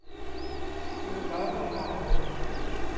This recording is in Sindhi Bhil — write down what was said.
نڀآڳو نا هوئي۔